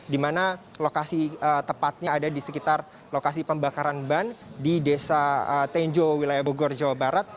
di mana lokasi tepatnya ada di sekitar lokasi pembakaran ban di desa tenjo wilayah bogor jawa barat